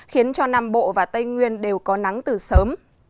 khiến cho nam bộ và tây nguyên đều có nắng từ sớm